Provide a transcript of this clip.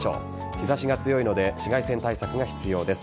日差しが強いので紫外線対策が必要です。